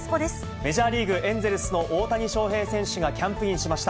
メジャーリーグ・エンゼルスの大谷翔平選手がキャンプインしました。